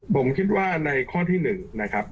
ผมคิดว่าในข้อที่๑นะครับ